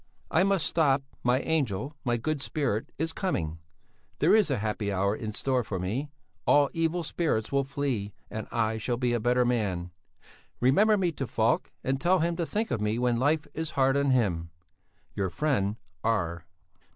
"I must stop, my angel, my good spirit is coming. There is a happy hour in store for me; all evil spirits will flee, and I shall be a better man. "Remember me to Falk and tell him to think of me when life is hard on him." "Your friend R."